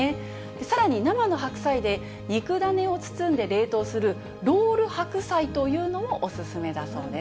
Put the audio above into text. さらに生の白菜で肉種を包んで冷凍するロール白菜というのもお勧めだそうです。